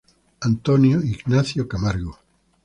Antonio Ignacio Camargo.